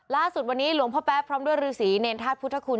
ล่าสุดวันนี้หลวงพ่อแป๊ะพร้อมด้วยฤษีเนรธาตุพุทธคุณ